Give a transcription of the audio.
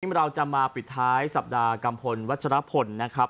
เราจะมาปิดท้ายสัปดาห์กัมพลวัชรพลนะครับ